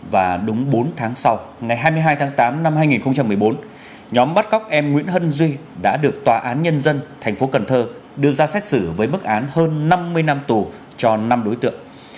và đúng bốn tháng sau ngày hai mươi hai tháng tám năm hai nghìn một mươi bốn nhóm bắt cóc em nguyễn hân duy đã được tòa án nhân dân tp cần thơ đưa ra xét xử với mức án hơn năm mươi năm tù cho năm đối tượng